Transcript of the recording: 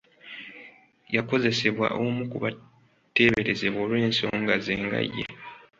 Yakozesebwa omu ku bateeberezebwa olw'ensonga ze nga ye.